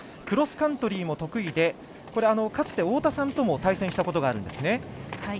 クロスカントリーも得意でかつて、太田さんとも対戦したことがあるんですね。